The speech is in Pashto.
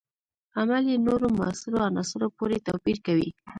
عمل یې نورو موثرو عناصرو پورې توپیر کوي.